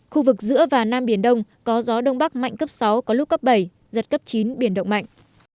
khu vực giữa và nam biển đông có gió đông bắc mạnh cấp sáu có lúc cấp bảy giật cấp chín biển động mạnh